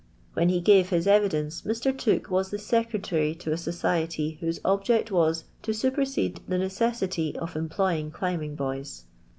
When he gave his evidence, ilr. Tuoke was the secretary to a society whose obj. ct was to supersede the necessity of employing climbing boys.